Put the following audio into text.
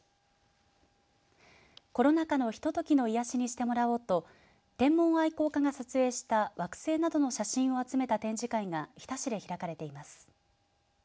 コロナ禍のひとときの癒やしにしてもらおうと天文愛好家が撮影した惑星などの写真を集めた展示会が日田市で開かれています。